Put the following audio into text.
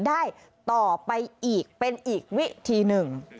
ได้ต่อไปอีกเป็นอีกวิธีหนึ่ง